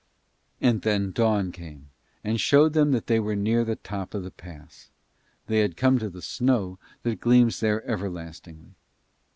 And then dawn came, and showed them that they were near the top of the pass. They had come to the snow that gleams there everlastingly.